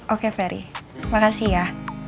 oke ferry makasih ya